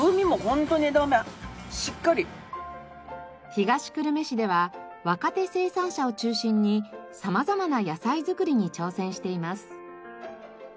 東久留米市では若手生産者を中心に様々な野菜作りに挑戦しています。